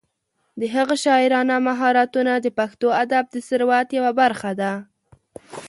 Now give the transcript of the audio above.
د هغه شاعرانه مهارتونه د پښتو ادب د ثروت یوه برخه ده.